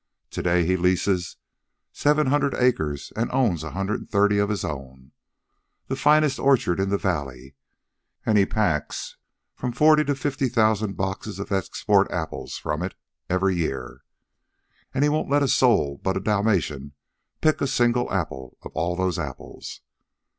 To day he leases seven hundred acres and owns a hundred and thirty of his own the finest orchard in the valley, and he packs from forty to fifty thousand boxes of export apples from it every year. And he won't let a soul but a Dalmatian pick a single apple of all those apples.